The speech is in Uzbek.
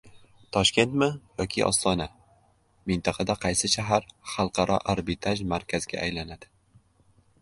Toshkentmi yoki Ostona? Mintaqada qaysi shahar xalqaro arbitraj markaziga aylanadi?